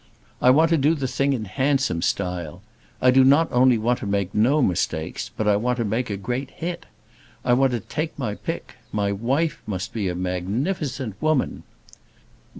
I want to do the thing in handsome style. I do not only want to make no mistakes, but I want to make a great hit. I want to take my pick. My wife must be a magnificent woman."